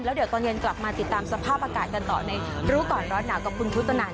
เดี๋ยวตอนเย็นกลับมาติดตามสภาพอากาศกันต่อในรู้ก่อนร้อนหนาวกับคุณทุตนัน